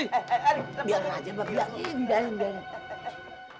eh biarkan aja mbak biarkan